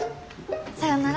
さよなら。